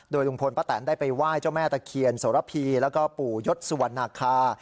ลุงพลป้าแตนได้ไปไหว้เจ้าแม่ตะเคียนโสระพีแล้วก็ปู่ยศสุวรรณาคา